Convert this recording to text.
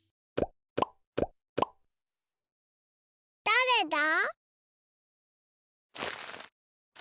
だれだ？